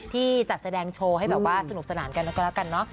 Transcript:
ที่จัดแสดงโชว์ให้แบบว่าสนุกสนานกันแล้วก็แล้วกันเนอะ